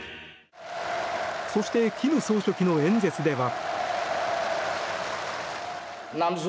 そして、金総書記の演説では。